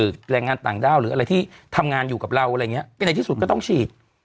คือแรงงานต่างด้าวหรืออะไรที่ทำงานอยู่กับเราอะไรอย่างเงี้ยก็ในที่สุดก็ต้องฉีด